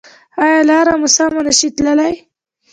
ایا لاره مو سمه نه شئ تللی؟